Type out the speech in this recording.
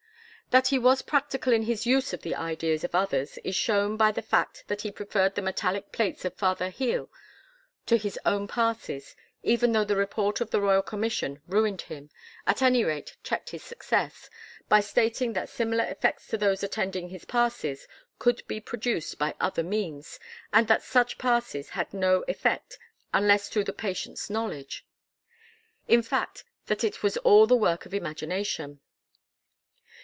That he was practical in his use of the ideas of others is shown by the fact that he preferred the metallic plates of Father Hehl to his own passes, even though the report of the Royal Commission ruined him at any rate checked his success, by stating that similar effects to those attending his passes could be produced by other means, and that such passes had no effect unless through the patient's knowledge; in fact that it was all the work of imagination.